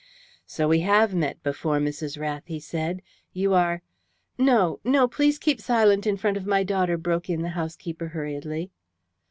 "So we have met before, Mrs. Rath," he said. "You are " "No, no! Please keep silent in front of my daughter," broke in the housekeeper hurriedly.